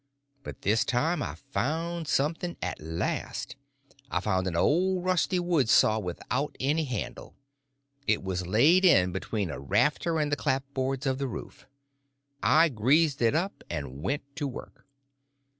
But this time I found something at last; I found an old rusty wood saw without any handle; it was laid in between a rafter and the clapboards of the roof. I greased it up and went to work.